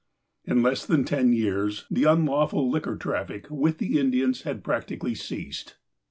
In less than ten years, the unlawful liquor traffic with the Indians had practically ceased.